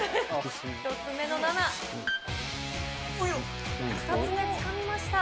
１つ目、２つ目、つかみまし